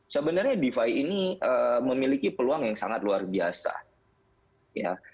sebenarnya defi ini memiliki peluang yang sangat luar biasa ya